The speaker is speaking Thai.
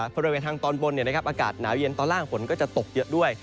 บริเวณทางตอนบนอากาศหนาวเย็นตอนล่างฝนก็จะตกเยอะด้วย